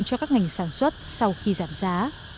cho các ngành sản xuất sau khi giảm giá